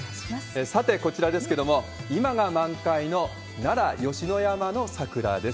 さて、こちらですけれども、今が満開の奈良・吉野山の桜です。